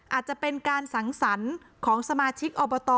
อาจจะเป็นการสังสรรค์ของสมาชิกอบต